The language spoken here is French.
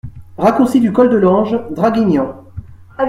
Raccourci du Col de l'Ange, Draguignan